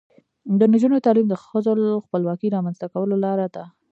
د نجونو تعلیم د ښځو خپلواکۍ رامنځته کولو لاره ده.